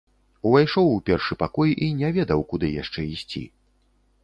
Увайшоў у першы пакой і не ведаў, куды яшчэ ісці.